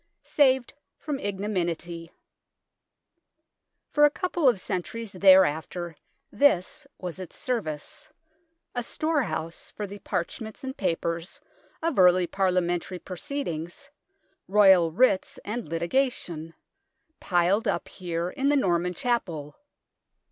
SAVED FROM IGNOMINY For a couple of centuries thereafter this was its service a storehouse for the parchments and papers of early Parliamentary proceed ings, Royal writs, and litigation, piled up here in the Norman Chapel.